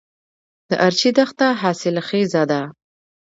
د ارچي دښته حاصلخیزه ده